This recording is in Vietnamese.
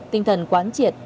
tinh thần quán triệt